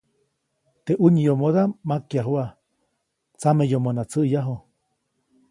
Teʼ ʼunyomodaʼm makyajuʼa, tsameyomona tsäʼyaju.